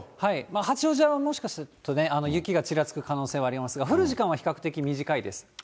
八王子はもしかすると雪がちらつく可能性はありますが、降る時間は比較的短いです。